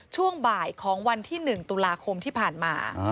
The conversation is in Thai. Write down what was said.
ช่วงบ่ายของวันที่๑ตุลาคมที่ผ่านมา